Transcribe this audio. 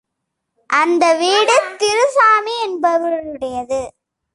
அந்த வீடு திரு சாமி என்பவருடையது.